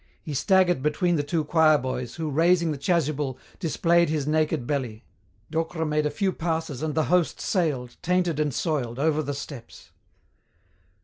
He staggered between the two choir boys, who, raising the chasuble, displayed his naked belly. Docre made a few passes and the host sailed, tainted and soiled, over the steps.